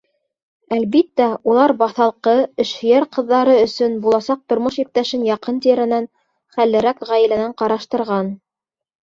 Әлбиттә, улар баҫалҡы, эшһөйәр ҡыҙҙары өсөн буласаҡ тормош иптәшен яҡын-тирәнән, хәллерәк ғаиләнән ҡараштырған.